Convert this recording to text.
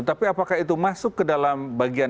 tapi apakah itu masuk ke dalam bagian